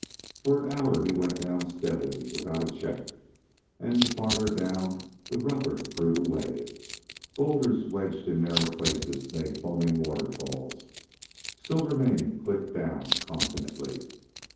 For an hour he went down steadily without a check, and the farther down the rougher grew the way. Bowlders wedged in narrow places made foaming waterfalls. Silvermane clicked down confidently.